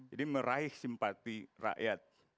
jadi meraih simpati rakyat